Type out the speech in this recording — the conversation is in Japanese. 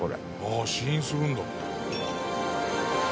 あっ試飲するんだ。